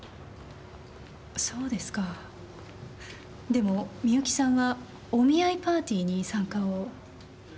でもみゆきさんはお見合いパーティーに参加を。